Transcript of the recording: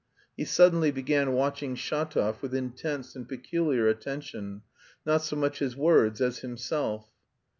He suddenly began watching Shatov with intense and peculiar attention, not so much his words as himself.